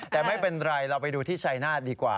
แต่ไม่เป็นไรเราไปดูที่ชัยนาธิดีกว่า